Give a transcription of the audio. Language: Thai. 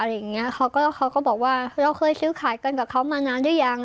เขาก็เขาก็บอกว่าเราเคยซื้อขายกันกับเขามานานหรือยัง